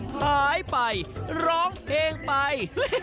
ขายไปร้องเพลงไป